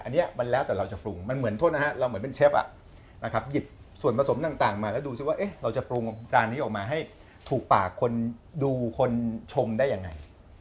อันนี้มันแล้วแต่เราจะปรุงมันเหมือนโทษนะฮะเราเหมือนเป็นเชฟหยิบส่วนผสมต่างมาแล้วดูซิว่าเราจะปรุงจานนี้ออกมาให้ถูกปากคนดูคนชมได้ยังไง